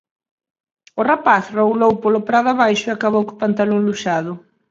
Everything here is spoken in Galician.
O rapaz roulou polo prado abaixo e acabou co pantalón luxado